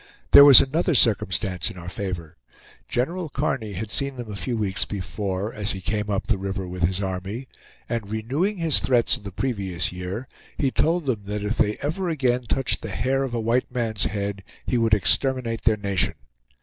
There was another circumstance in our favor. General Kearny had seen them a few weeks before, as he came up the river with his army, and renewing his threats of the previous year, he told them that if they ever again touched the hair of a white man's head he would exterminate their nation.